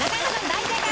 大正解！